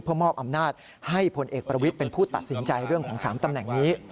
มอบอำนาจให้พลเอกประวิทย์เป็นผู้ตัดสินใจเรื่องของ๓ตำแหน่งนี้